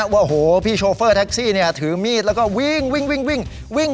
ว่าพี่โชเฟอร์แท็กซี่ถือมีดแล้วก็วิ่ง